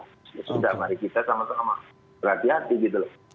ya sudah mari kita sama sama berhati hati gitu loh